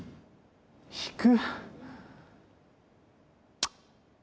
引く？